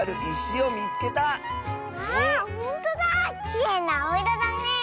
きれいなあおいろだねえ。